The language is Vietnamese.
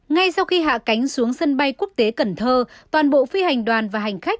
ngay sau khi hạ cánh xuống sân bay quốc tế cần thơ toàn bộ phi hành đoàn và hành khách